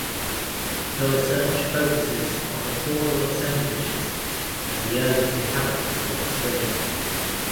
Her research focusses on the faunal assemblages and the earliest inhabitants of Australia.